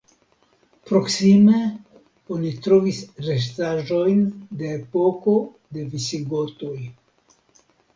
Proksime oni trovis restaĵojn de epoko de visigotoj.